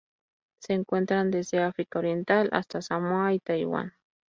Se encuentran desde África Oriental hasta Samoa y Taiwán.